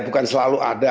bukan selalu ada